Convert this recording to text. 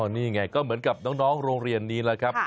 นี่ไงก็เหมือนกับน้องโรงเรียนนี้แหละครับ